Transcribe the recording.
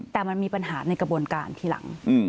แต่มันมีปัญหาในกระบวนการทีหลัง